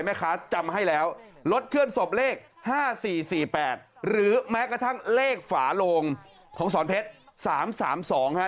จำให้แล้วรถเคลื่อนศพเลข๕๔๔๘หรือแม้กระทั่งเลขฝาโลงของสอนเพชร๓๓๒ฮะ